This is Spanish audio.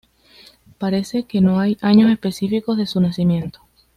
Parece que no hay años específicos de su nacimiento.